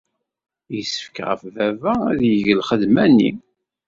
Yessefk ɣef baba ad yeg lxedma-nni.